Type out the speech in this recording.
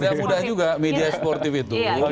tidak mudah juga media sportif itu